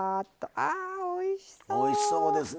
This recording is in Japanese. あー、おいしそうですね！